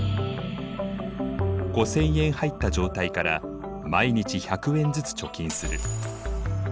５０００円入った状態から毎日１００円ずつ貯金する。